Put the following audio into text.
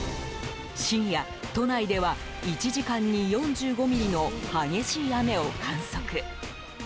深夜、都内では１時間に４５ミリの激しい雨を観測。